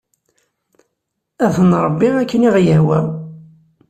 Ad ten-nṛebbi akken i ɣ-yehwa.